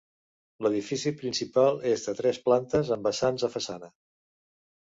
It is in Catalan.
L'edifici principal és de tres plantes amb vessants a façana.